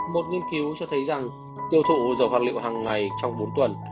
một nghiên cứu cho thấy rằng tiêu thụ dầu phạt liệu hằng ngày trong bốn tuần